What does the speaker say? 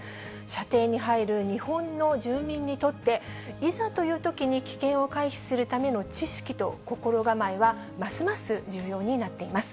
射程に入る日本の住民にとって、いざというときに危険を回避するための知識と心構えは、ますます重要になっています。